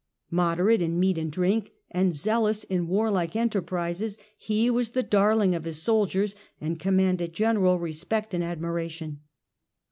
Moderate in meat and drink and zealous in warlike I enterprises, he was the darling of his soldiers and commanded general respect and admiration.